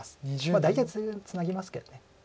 大体ツナぎますけど。